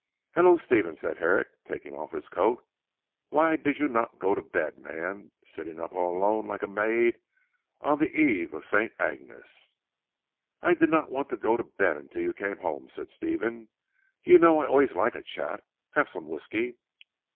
"Hullo Stephen!" said Herrick taking off his coat, "why did you not go to bed man? Sitting up all alone, like a maid on the Eve of St. Agnes." "I did not want to go to bed until you came home," said Stephen, "you know I always like a chat. Have some whisky?"